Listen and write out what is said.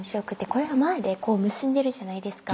これは前でこう結んでるじゃないですか。